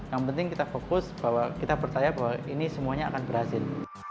yang penting kita fokus bahwa kita percaya bahwa ini semuanya akan berhasil